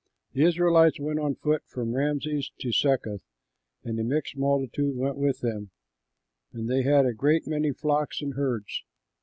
The Israelites went on foot from Rameses to Succoth; and a mixed multitude went with them, and they had a great many flocks and herds.